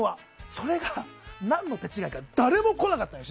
それが、何の手違いか首脳が誰も来なかったのよ。